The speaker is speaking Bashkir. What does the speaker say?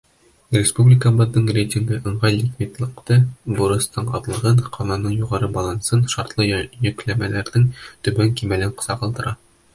Республикабыҙ рейтингы ыңғай ликвидлыҡты, бурыстың аҙлығын, ҡаҙнаның юғары балансын, шартлы йөкләмәләрҙең түбән кимәлен сағылдыра.